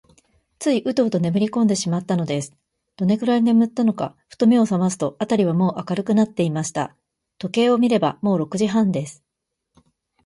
ついウトウトねむりこんでしまったのです。どのくらいねむったのか、ふと目をさますと、あたりはもう明るくなっていました。時計を見れば、もう六時半です。